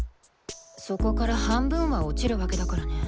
そこから半分は落ちるわけだからね。